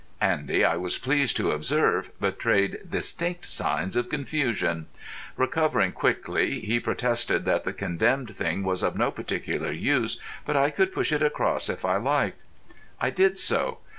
Andy, I was pleased to observe, betrayed distinct signs of confusion. Recovering quickly, he protested that the condemned thing was of no particular use, but I could push it across if I liked. I did so.